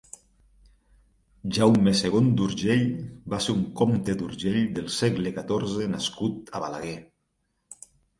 Jaume segon d'Urgell va ser un comte d'Urgell del segle catorze nascut a Balaguer.